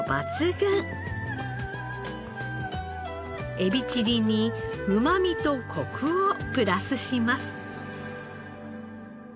エビチリにうまみとコクをプラスします。